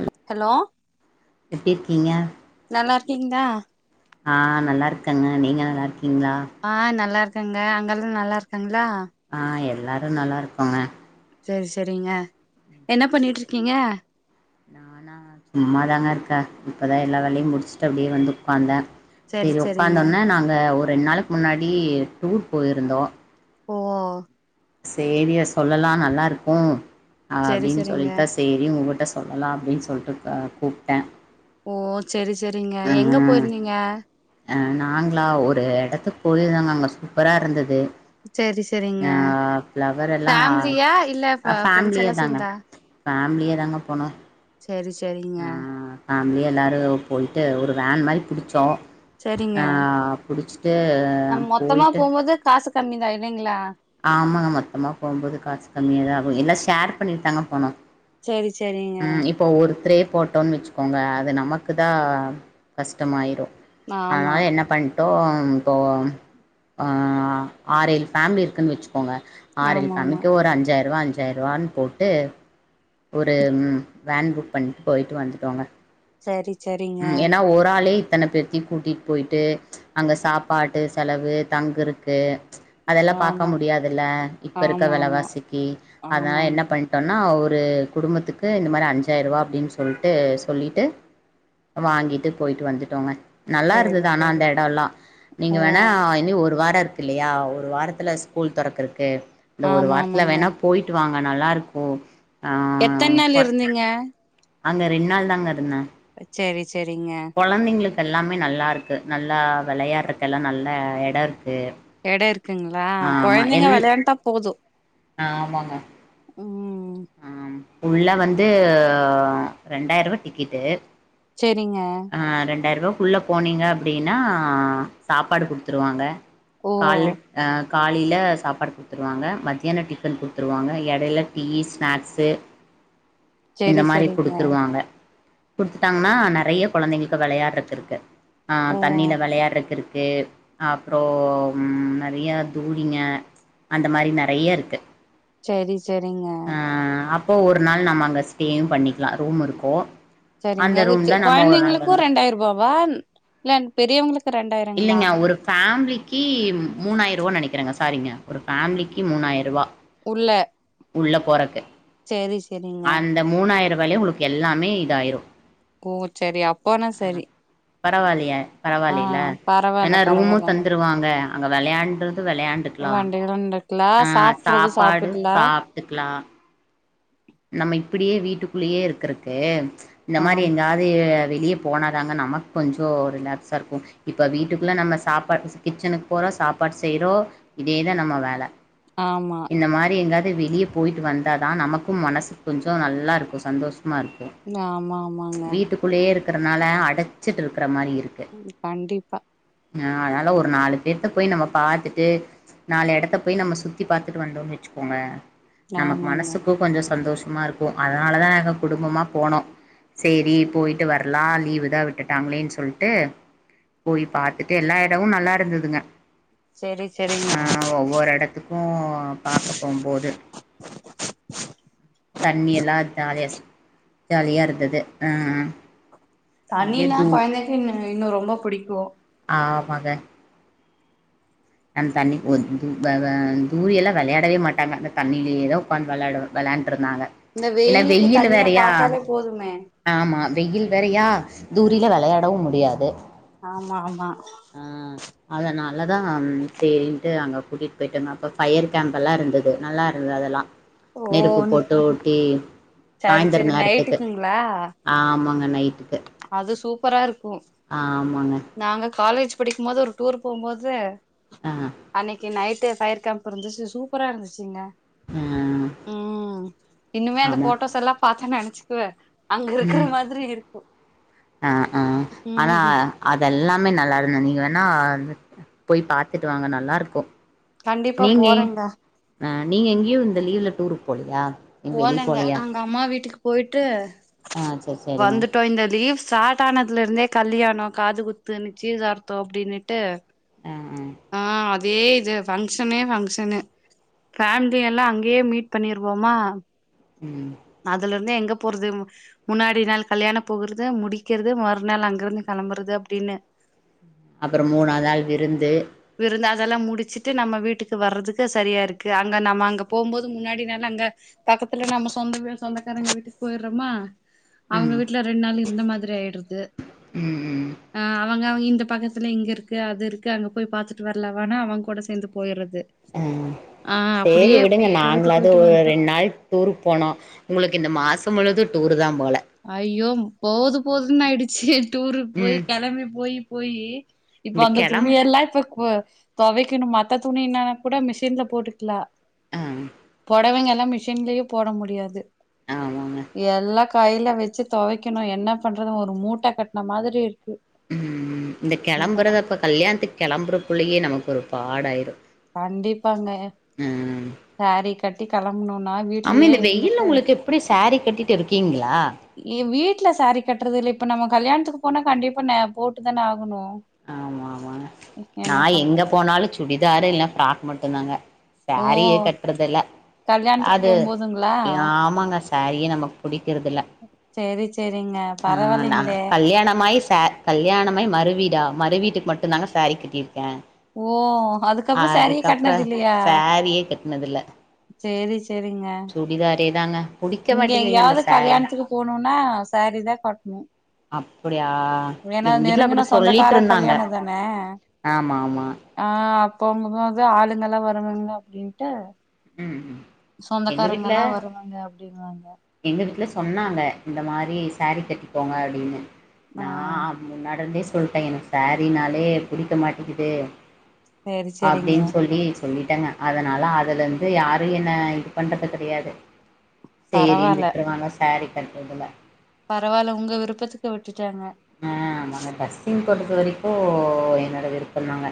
ஆஹ ஹலோ எப்டி இருக்கீங்க நல்லா இருக்கீங்ளா ஆ நல்லாருக்கேங்க நீங்க நல்லாயிருக்கீங்களா ஆ நல்லா இருக்கங்க அங்கெல்லா நல்லா இருக்காங்களா ஆ எல்லாரு நல்லா இருக்கோங்க சரி சரிங்க என்ன பண்ணிட்ருக்கீங்க நானா சும்மாதாங்கருக்க இப்பதா எல்லா வேலையும் முடிச்சுட்டு அப்டியே வந்து உக்காந்த செரி சரி செரிங்க உக்காந்தோன்ன நாங்க ஒரு ரெண் நாள்க் முன்னாடி டூர் போயிருந்தோ ஓ சேரி சொல்லலா நல்லா இருக்கும் செரி அப்டின் செரிங்க சொல்லிட்டா சேரின் உங்கட்ட சொல்லலாம் அப்டின் சொல்ட்டு க கூப்ட்ட ஓ செரி செரிங்க எங்க போயிர்ந்தீங்க அ நாங்களா ஒரு எடத்துக் போயிருந்தங்க அங்க சூப்பரா இருந்தது செரி செரிங்க அ ஃப்ளவர் எல்லா ஃபேமிலியா இல்ல ஃப ஃப்ரெண்ட்ஸ் ஃபேமிலியே எல்லா தாங்க சேந்தா ஃபேமிலியா தாங்க போனோ செரி செரிங்க ஆ ஃபேமிலியா எல்லோரு போய்ட்டு ஒரு வேன் மாரி புடிச்சோ செரிங்க அ புடிச்சிட்டு நம்ம மொத்தமா போய்ட்டு போம்போது காசு கம்மி தா இல்லைங்களா ஆமாங்க மொத்தமா போகும்போது காசு கம்மியா தா ஆகு எல்லா ஷேர் பண்ணிட்டு தாங்க போனோ செரி செரிங்க ம் இப்போ ஒருத்ரே போட்டோன்னு வச்சுக்கோங்க அது நமக்கு தா கஷ்டமாயிரு ஆமா ஆனால என்ன பண் ட்டோ இப்போ அ ஆறு ஏழு ஃபேமிலி இருக்குன்னு வச்சுக்கோங்க ஆறு ஏழு ஆமா ஆமா ஃபேமிலிக்கு ஒரு அஞ்ஜாயிருவ அஞ்ஜாயிருவானு போட்டு ஒரு வேன் புக் பண்ணிட்டு போயிட்டு வந்துட்டோங்க சரி சரி ம் ஏன்னா ஒரு ஆளே இத்தன பேத்தி கூட்டிட்டு போயிட்டு அங்க சாப்பாட்டு செலவு தங்குருக்கு அதெல்லா பாக்க ஆமா முடியாதுல்ல இப்ப இருக்க ஆமா ஆமா வெலவாசிக்கு அதனால ஆமாங்க என்ன பண் டோன்னா ஒரு குடும்பத்துக்கு இந்த மாரி அஞ்ஜாயிரருவா அப்டின்னு சொல்ட்டு சொல்லிட்டு வாங்கிட்டு போயிட்டு வந்துட்டோங்க நல்லா செரி இருந்தது ஆனா அந்த செரி எடல்லா ஓ நீங்க வேணா இனி ஒரு வார இருக் க்கு இல்லையா ஒரு வாரத்துல ஸ்கூல் தொறக்குருக்கு இந்த ஒரு ஆமா வாரத்துல ஆமாங்க வேணா போ போயிட்டு வாங்க நல்லா இருக்கு எத்தன நாள் இருந்தீங்க அங்க ரெண்டு நாள் தாங்க இருந்தே சரி சரிங்க கொழந்தைங்களுக்கு எல்லாமே நல்லா இருக்கு நல்லா வெளையாடுறக்கு எல்லா நல்ல எட இருக்கு எட இருக்குங்களா ஆமா எல் கொழந்தைங்க வெளையாண்ட்டா போது ஆமாங்க ம் ஆ உள்ள வந்து ரெண்டாயிரருவா டிக்கெட்டு சரிங்க அ ரெண்டாயிரூபா குள்ளே போனீங்க அப்டின்னா சாப்பாடு குடுத்துருவாங்க ஓ கால்ல அ காலையில சாப்பாடு குடுத்துருவாங்க மத்தியான டிஃபன் குடுத்துருவாங்க எடையில டீ‌ஸ் ஸ்நாக்ஸ் இந்த செரி மாரி செரிங்க குடுத்துருவாங்க குடுத்துட்டாங்கன்னா நெறைய கொழந்தைங்களுக்கு விளையாடுறதிர்க்கு ஆ ஓ தண்ணில வெளையாடுறதுக் இருக்கு அப்றோ நெறைய தூளிங்க அந்த மாரி நெறைய இருக்கு செரி சரிங்க ஆ அப்போ ஒரு நாள் நம்ம அங்கே ஸ்டேவு பண்ணிக்லா ரூமு இருக்கு அந்த சரிங்க ரூம்ல நம்ம ஒரு நாள் கொழந்தைங்களுக்கு வந்து ரெண்டாயிர ரூபாவா இல்ல பெரியவங்களுக்கு ரெண்டாயிரங்களா இல்லைங்க ஒரு ஃபேமிலிக் கி மூணாயிர ரூவானு நெனைக்கிறேங்க சாரீங்க ஒரு ஃபேமிலிக்கு மூணாயிர ரூவா உள்ள உள்ள போறக்கு சேரி சேரிங்க இந்த மூணாயிர ரூபாயிலே உங்களுக்கு எல்லாமே இத ஆயிரு ம் சேரி அப்பனா சேரி பரவாயில்லய பரவாயில்லலா பரவால்ல ஏன்னா ரூமும் பரவால்லங்க தந்துருவாங்க அங்க விளையாடுறது விளையாண்டுக்கலா வண்டியலு இருக்குல அ சாப்ட்றது சாப்பாடு சாப்ட்டுக்கலா சாப்ட்டுக்கலா நம்ம இப்டியே வீட்டுக்குள்ளேயே இருக்குறக்கு இந்த ஆ மாரி எங்காது அது வெளிய போனாதாங்க நமக்கு கொஞ்ச ரிலாக்ஸா இருக்கும் இப்ப வீட்டுக்குள்ள நம்ம சாப்பாடு கிச்சனுக்கு போறோ சாப்பாடு செய்யறோ இதேதா நம்ம வேல ஆமா இந்த மாரி எங்காவது வெளியே போய்ட்டு வந்தா தா நமக்கும் மனசு கொஞ்ச நல்லாயிருக்கும் சந்தோஷமா இருக்கும் ம் ஆமா ஆமாங்க உள்ளயே இருக்கிறனால அடச்சுட்டு இருக்குற மாரி இருக்கு ம் கண்டிப்பா ஆ அதனால ஒரு நாலு பேத்த போய் நம்ம பாத்துட்டு நாலு இடத்த போய் நம்ம சுத்தி பாத்துட்டு வந்தோம்ன்னு வச்சுக்கோங்கல நமக்கு ஆமாங்க மனசுக் கொஞ்ச சந்தோஷமா இருக்கும் அதனால தா நாங்க குடும்பமா போனோ சேரி போயிட்டு வரலா லீவு தா விட்டுட்டாங்களேன்னு சொல்லிட்டு போய் பாத்துட்டு எல்லா இடமு நல்லா இருந்து துங்க செரி செரிங்க ஆ ஒவ்வொரு இடத்துக்கும் பாக்க போம்போது தண்ணி எல்லா ஜாலியா ஜாலியா இருந்தது ஆ நெறைய தண்ணினா தூ குழந்தைக்கு இன்னு ரொம்ப புடிக்கும் ஆமாங்க ந தண்ணிக்கு ப வ தூரிய எல்லா விளையாடவே மாட்டாங்க அந்த தண்ணில தா உட்காந்து விளையாடுவா விளையாண்ட்டுருந்தாங்க இந்த வெயிலுக்கு தண்ணியா பாத்தாலே போதுமே ஆமாம் வெயில் வேறயா தூரில விளையாடவு முடியாது ஆமா ஆமா ம் அதானல தா சேரின்ட்டு அங்க கூட்டிகிட்டு போயிட்டோங்க அப்ப ஃபயர் கேம் எல்லா இருந்தது நல்லா இருந்து அதெல்லா ஓ நெருப்பு போட்டு ஊட்டி சரி சாய்ந்திர சரி நேரத்துக்கு நைட்டுக்குங்களா ஆமாங்க நைட்டுக்கு அது சூப்பரா இருக்கும் ஆமாங்க நாங்க காலேஜ் படிக்கும் போது ஒரு டூர் போகும்போது ஆ அன்னிக்கு நைட்டு ஃபயர் கம் இருந்துச்சு சூப்பரா இருந்துச்சுங்க ஆ ம் இன்னுமே அந்த ஆமா போட்டோஸ் எல்லா பாத்து நினைச்சுக்குவ அங்க இருக்கிற ம் மாதிரி இருக்கு ஆ ஆ ஆனா ம் அதெல்லாமே நல்லா இருந்த நீங்க வேணா போய் பத்துட்டு வாங்க நல்லா இருக்கும் கண்டிப்பா நீங்க போறேங்க அ நீங்க எங்கேயு இந்த லீவுல டூருக்கு போலயா போலங்க அங்க அம்மா வீட்டுக்கு போயிட்டு ஆ சரி சரிங்க வந்துட்டோ இந்த லீவ் ஸ்டார்ட் ஆனதுலருந்தே கல்யாண காது குத்து நிச்சயதார்த்த அப்டின்ட்டு அ அ அதே இது ஃபங்க்ஷனே ஃபங்க்ஷனு ஃபேமிலி எல்லா அங்கயே மீட் பண்ணிருவோமா ம் அதுலருந்து எங்க போறது முன்னாடி நாள் கல்யாணோ போகுறது முடிக்கிறது மறுநாள் அங்கிருந்து கெளம்புறது அப்டின்னு அப்றோ மூணாது நாள் விருந்து விருந்து அதெல்லா முடிச்சுட்டு நம்ம வீட்டுக்கு வர்றதுக்கு செரியா இருக்கு அங்க நம்ம அங்க போம்போது முன்னாடி நாள் அங்க பக்கத்துல நம்ம சொந்த வீடு சொந்தக்காரங்க வீட்டுக்கு போயிறோமா அவுங்க ம் வீட்ல ரெண்டு நாள் இருந்த மாரி ஆயிறுது ம் ம் அ அவுங்க இந்த பக்கத்துல இங்க இருக்கு அது இருக்கு அங்க போய் பாத்துட்டு வரலாவானா அவுங்க கூட சேந்து போயிறது ம் ஆ சேரி அப்டியே விடுங்க போயிட்டு நாங்களாது போயிட்டு வந்ட்டோ ரெண் நாள் டூருக்கு போனோ உங்களுக்கு இந்த மாசோ முழுது டூரு தா போல ஐயோ போதும் போதுன்னு ஆயிடுச்சு டூருக்கு போய் ம் கெளம்பி போயி போயி இப்ப இந்த அந்த துணி கெளம் எல்லா இப்ப துவைக்கணு மத்த துணி என்னானா கூட மிஷின்ல போட்டுக்லா ஆஹ் பொடவைங்கல்லா மிஷின்லயே போட முடியாது ஆமாங்க எல்லா கையில வச்சு தொவைக்கணு என்ன பண்றது ஒரு மூட்ட கட்ன மாதிரி இருக்கு ம் இந்த கெளம்புறத அப்ப கல்யாணத்துக்கு கெளம்புறக்குள்ளயே நமக்கு ஒரு பாடாயிரு கண்டிப்பாங்க ம் சாரீ கட்டி கெளம்பணுனா ஆமா வீட்லயே இந்த வெயில்ல இருந்துட்டு உங்களுக்கு எப்டி சாரீ கட்டிட்டு இருக்கீங்களா ஏ வீட்டுல சாரீ கட்டுறது இல்ல இப்ப நம்ம கல்யாணத்துக்கு போனா கண்டிப்பா ந போட்டு தானே ஆகணு ஆமாமா நா என்ன பண்ற எங்க போனாலு சுடிதாரு இல்ல ஃப்ராக் மட்டுதாங்க ஓ சாரீயே கட்டுறதுல கல்யாணத்துக்கு அது போம்போதுங்களா ஆமாங்க சாரீயே நமக்கு புடிக்கிறதுல சேரி சேரிங்க ஆ ந பரவாயில்லைங்களே கல்யாணமாயி சாரீ கல்யாணமாயி மறுவீடா மறு வீட்டுக்கு மட்டு தாங்க சாரீ கட்டிருக்கே ஓ அதுக்கப்றோ சாரீயே கட்னது இல்லயா சாரியே கட்னதில்ல சேரி சேரிங்க சுடிதாரே தாங்க புடிக்க இங்க மாட்டேங்குதுங்க அந்த எங்கயாவுது சாரீ கல்யாணத்துக்கு போனும்னா சாரீதா கட்ணு அப்டியா ஏன்னா எங்க வீட்ல அப்டி நெருங்குன சொந்தக்கார சொல்லிட்ருந்தாங்க கல்யாணோ தான ஆமா ஆமா ஆ அப்ப போகு போது ஆளுங்கல்லா வருவாங்க அப்டின்ட்டு ம் ம் எங்க வீட்ல சொந்தக்காரங்கல்லா வருவாங்க அப்டினுவாங்க எங்க வீட்ல சொன்னாங்க இந்த மாரி சாரீ கட்டிகோங்க அப்டின்னு ஆ நா முன்னாடருந்தே சொல்ட்டே எனக்கு சாரீனாலே புடிக்க மாட்டிக்குது சேரி சேரிங்க அப்டின்னு சொல்லி சொல்லிட்டேங்க அதனால அதுலந்து ந்து யாரு என்ன இது பண்றது கெடையாது சேரின்னு பரவால்ல விட்ருவாங்க சாரீ கட்ரதில பரவால்ல உங்க விருப்பத்துக்கு விட்டுட்டாங்க ஆ ஆமாங்க ட்ரெஸ்ஸிங் பொறுத்த வரைக்கு என்னோட விருப்பம்தாங்க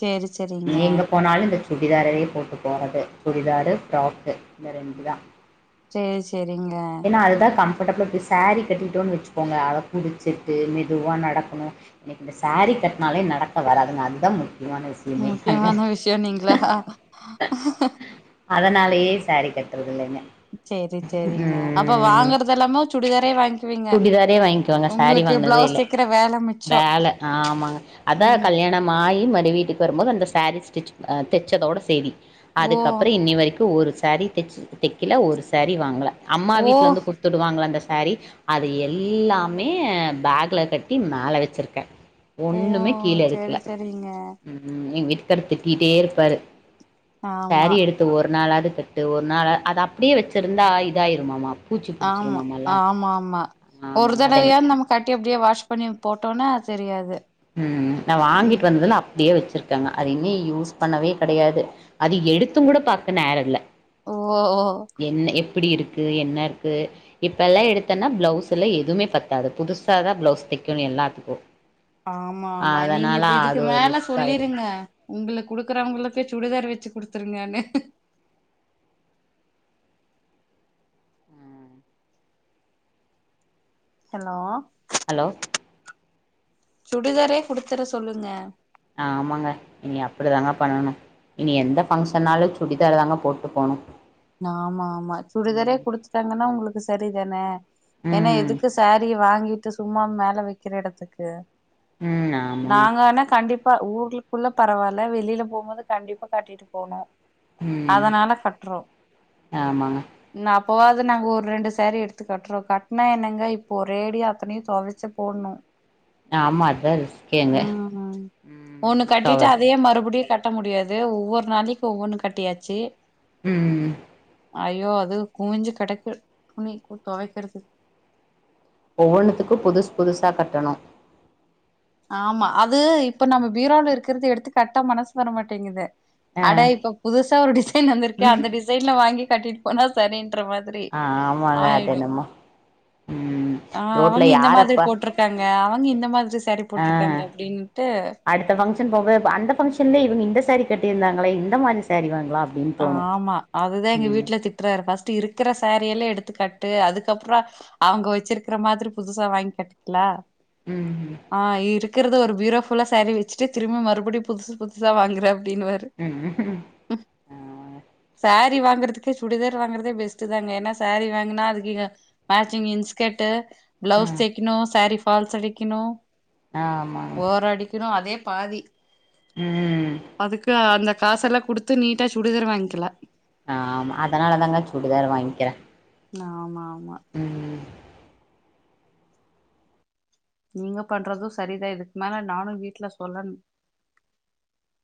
சேரி சேரிங்க எங்க போனாலு இந்த சு சுடிதாரையே போட்டு போறது சுடிதாரு ஃப்ராக்கு இந்த ரெண்டு தா சேரி செரிங்க ஏன்னா அது தா கம்ஃபடபுள் அப்டி சாரி கட்டிட்டோன்னு வச்சுக்கோங்க அதக் குடு செட்டு மெதுவா நடக்கணு எனக்கு இந்த சாரீ கட்னாலே நடக்க வராதுங்க அதுதா முக்கியமான விஷயமே அங்க. முக்கியமான விஷயோனீங்களா அதனாலேயே சாரீ கட்றதுல்லங்க சேரி சேரிங்க அப்ப வாங்கறது எல்லாமே சுடிதாரே வாங்கிவீங்க சுடிதாரே வாங்கிக்குவேங்க சாரீ வாங்கினதே இல்ல வேல ஆமாங் அதான் ம் கல்யாணம் ஆயி மறு வீட்டுக்கு வரும்போது அந்த சாரீ ஸ்டிச் தச்சதோட சேரி ஓ அதுக்கப்புற இன்னி வரைக்கு ஒரு சாரீ தச் தைக்கல ஒரு சாரீ வாங்கல அம்மா ஓ வீட்ல வந்து கொ டுத்துடுவாங்கள அந்த சாரி அது எல்லாமே பேக்ல கட்டி மேல வச்சிருக்கே ஓ ஒன்னுமே கீழ சேரி இருக்குல சேரிங்க ம் எங்க வீட்டுக்காரு திட்டிட்டே இருப்பாரு ஆமா சாரீ எடுத்து ஒரு நாளாவது கட்டு ஒரு நாளா அது அப்டியே வச்சுருந்தா இதாயிரும்மாமா ஆம்மா ஆமா ஆமா ஒரு ஆமாங்க அதென் தடவையா நமக் கட்டி அப்டியே வாஷ் பண்ணி போட்டோம்னா அது தெரியாது ம் நா ம் வாங்கிட்டு வந்ததுல அப் அப்டியே வச்சுருக்காங்க அதயுமே யூஸ் பண்ணவே கெடையாது அது எடுத்தும் கூட பாக்க நேர இல்லை ஓ ஓ என்ன எப்டி இருக்கு என்ன இருக்கு இப்பல்லா எடுத்தேன்னா பிளவுஸ் எல்லாம் எதுவுமே பத்தாது புதுசாதா பிளவுஸ் தைக்கணும் எல்லாத்துக்கும் ஆமா ஆமா நீங்க இப்ப இதுக்கு ஒரு மேல ரிஸ்க் ஆயிரு சொல்லிருங்க உங்களுக் குடுக்குறவங்களுக்கு சுடிதார் வச்சு குடுத்துருங்கானு ஹலோ ஹலோ சுடிதாரே குடுத்துற சொல்லுங்க ஆமாங்க இனி அப்டி தாங்க பண்ணணு இனி எந்த ஃபங்க்ஷன்னாலு சுடிதார் தாங்க போட்டு போகணு ஆமா ஆமா சுடிதாரே குடுத்துட்டாங்கன்னா உங்களுக்கு சரிதானே ஏன்னா ம் எதுக்கு சாரீ வாங்கிட்டு சும்மா மேல வைக்கிற எடத்துக்கு ம் ஆமாங்க நாங்க வேணா கண்டிப் ப்பா ஊருளுக்குள்ள பரவாயில்ல வெளியில போகும் போது கண்டிப்பா கட்டிட்டு போகனு ம் அதனால கட்டுறோ ஆமாங்க நா அப்பவாவது நாங்க ஒரு ரெண்டு சாரி எடுத்து கட்றோ கட்னா என்னங்க இப்போ ஒரேடியா அத்தனையு தொவச்சு போடணு ஆமா அதா ரிஸ்கேங்க ம் ம் ஒன்னு தவ கட்டிட்டு அதே மறுபடியு கட் கட்ட முடியாது ஒவ்வொரு நாளைக்கு ஒவ்வொன்னு கட்டியாச்சு ம் ஐயோ அது குவிஞ்சு கெடக்கு துணி தொவைக்கிறதுக்கு ஒவ்வொன்னுத்துக்கும் புதுசு புதுசாக கட்டணும் ஆமா அது இப்ப நம்ம பீரால இருக்கிறது எடுத்து கட்ட மனசு வரமாட்டேங்குது ஆ அட இப்ப புதுசா ஒரு டிசைன் வந்திருக்கே ம் அந்த டிசைன்ல வாங்கி கட்டிட்டு போனா சரின்ற மாரி ஆ ஆமாங்க அது ஆயிடு என்னமோ ம் ஆ ரோட்ல அவங்க இந்த மாதிரி யாரப்பா போட்டிருக்காங்க அவங்க இந்த மாதிரி சேரீ ஆ போட்டிருக்காங்க அப்டினுட்டு அடுத்த ஃபங்க்ஷன் போக அந்த ஃபங்ஷன்லே இவங்க இந்த சாரீ கட்டியிருந்தாங்களே இந்த மாரி சாரீ வாங்கலா அப்டின்னு தோணு ஆமா அதுதா எங்க ம் வீட்ல திட்றாரு ஃபர்ஸ்ட் இருக்கிற சேரி எல்லா எடுத்துக்கட்டு அதுக்கப்புற அவங்க வச்சிருக்கிற மாதிரி புதுசா வாங்கிக்கட்டுக்கலா ம் ஆ இருக்கு இருக்கிறது ஒரு பீரோஃபுல்லா சாரி வச்சுட்டு திரும்ப மறுபடியு புதுசு புதுசாக வாங்குற அப்படின்னுவாரு ம் ம் சாரி வாங்குறதுக்கே சுடிதார் வாங்குறதே பெஸ்ட் தாங்க ஏன்னா சாரீ வாங்கனா அதுக்கு மேட்சிங் இன் ஸ்கர்ட்டு ஆ பிளவுஸ் தைக்கணு சேரீ ஃபால்ஸ் அடிக்கணு ஆமாங்க ஓர‌ அடிக்கனு அதே பாதி ம் அதுக்கு அந்த காசெல்லா குடுத்து நீட்டா சுடிதாரு வாய்ங்க்கலா ஆம்மா அதனால தாங்க சுடிதாரு வாய்ங்க்கிற ஆமா ஆமா ம் நீங்க பண்றது சரிதா இதுக்கு மேல நானு வீட்ல சொல்லனு